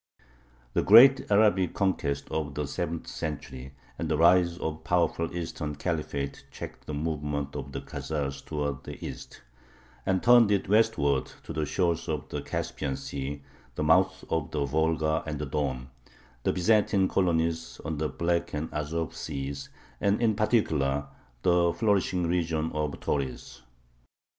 The great Arabic conquests of the seventh century and the rise of the powerful Eastern Caliphate checked the movement of the Khazars towards the East, and turned it westward, to the shores of the Caspian Sea, the mouths of the Volga and the Don, the Byzantine colonies on the Black and Azov Seas, and, in particular, the flourishing region of Tauris.